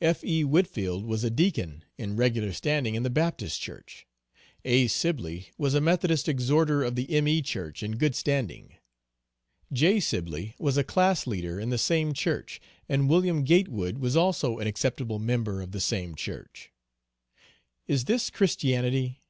F.E. Whitfield was a deacon in regular standing in the Baptist Church. A. Sibley was a Methodist exhorter of the M.E. Church in good standing. J. Sibley was a class leader in the same church; and Wm. Gatewood was also an acceptable member of the same church. Is this Christianity?